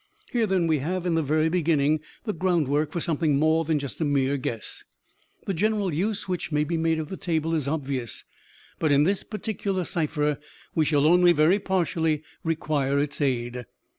"Here, then, we have, in the very beginning, the groundwork for something more than a mere guess. The general use which may be made of the table is obvious but, in this particular cipher, we shall only very partially require its aid.